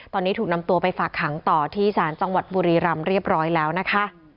ตอนนี้ถูกนำตัวไปฝากขังต่อที่ศาลจังหวัดบุรีรำเรียบร้อยแล้วนะคะ